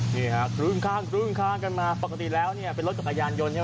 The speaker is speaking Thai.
นี่ฮะครึ่งข้างครึ่งข้างกันมาปกติแล้วเนี่ยเป็นรถจักรยานยนต์ใช่ไหม